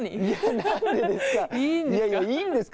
何でですか。